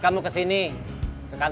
boleh kalian lihat di tempat ini